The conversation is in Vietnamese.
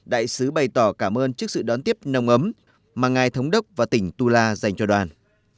đại sứ bày tỏ cảm ơn trước sự đón tiếp nồng ấm mà ngài thống đốc và tỉnh tula dành cho đoàn